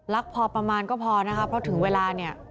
พอประมาณก็พอนะคะเพราะถึงเวลาเนี่ย